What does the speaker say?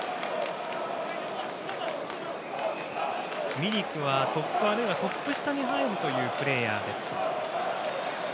ミリクはトップあるいはトップ下に入るというプレーヤーです。